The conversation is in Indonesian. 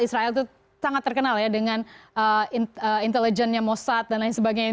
israel itu sangat terkenal ya dengan intelijennya mosad dan lain sebagainya